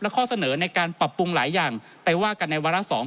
ข้อเสนอในการปรับปรุงหลายอย่างไปว่ากันในวาระสอง